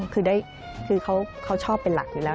คือเขาชอบเป็นหลักอยู่แล้ว